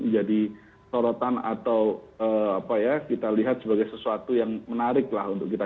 jadi sorotan atau apa ya kita lihat sebagai sesuatu yang menariklah untuk kita